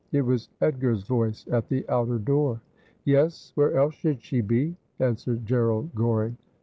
It was Edgar's voice at the outer door. ' Yes. Where else should she be ?' answered Gerald Goring.